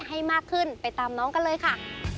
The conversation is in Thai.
ให้มากขึ้นไปตามน้องกันเลยค่ะ